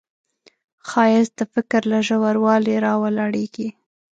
ښایست د فکر له ژوروالي راولاړیږي